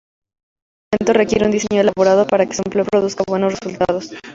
Este instrumento requiere un diseño elaborado para que su empleo produzca buenos resultados.